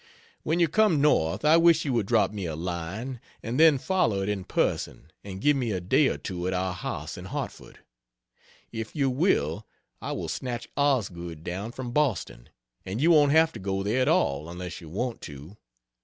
When you come north I wish you would drop me a line and then follow it in person and give me a day or two at our house in Hartford. If you will, I will snatch Osgood down from Boston, and you won't have to go there at all unless you want to.